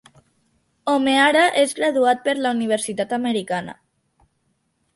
O'Meara és graduat per la Universitat Americana.